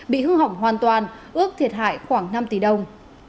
bị hư hỏng hoàn toàn ước thiệt hại khoảng năm tỷ đồng